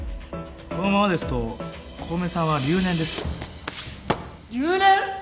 このままですと小梅さんは留年です留年！？